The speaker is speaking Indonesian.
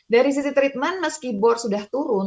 dari sisi treatment meski bor sudah turun